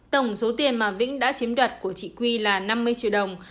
tổng số tiền mà vĩnh đã chiếm đoạt của chị quy là năm mươi triệu đồng